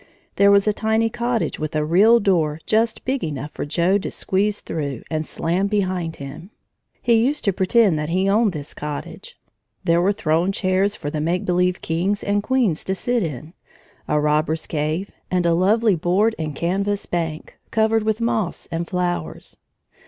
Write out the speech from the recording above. There was a tiny cottage, with a real door just big enough for Joe to squeeze through and slam behind him. He used to pretend that he owned this cottage. There were throne chairs for the make believe kings and queens to sit in, a robber's cave, and a lovely board and canvas bank, covered with moss and flowers.